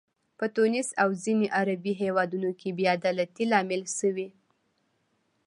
په تونس او ځینو عربي هیوادونو کې بې عدالتۍ لامل شوي.